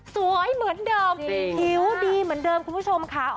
สวยเหมือนเดิมผิวดีเหมือนเดิมคุณผู้ชมค่ะ